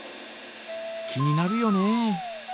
気になるよね。